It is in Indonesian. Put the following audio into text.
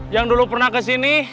yang dulu pernah kesini